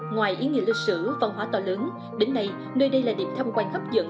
ngoài ý nghĩa lịch sử văn hóa to lớn đến nay nơi đây là điểm tham quan hấp dẫn